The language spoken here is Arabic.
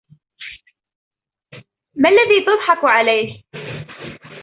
ما الذي تصحك عليه ؟